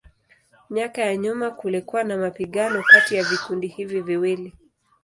Miaka ya nyuma kulikuwa na mapigano kati ya vikundi hivi viwili.